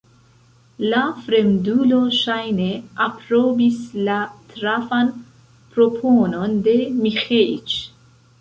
La fremdulo, ŝajne, aprobis la trafan proponon de Miĥeiĉ.